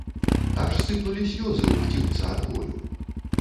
Аж сыпнулі слёзы у хціўца ад болю.